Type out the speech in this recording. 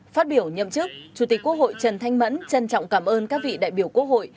phát biểu nhậm chức chủ tịch quốc hội trần thanh mẫn trân trọng cảm ơn các vị đại biểu quốc hội